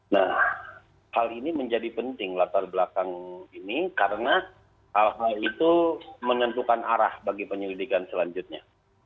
nah hal ini menjadi penting latar belakang ini karena hal hal itu menentukan arah bagi penyelidikan selanjutnya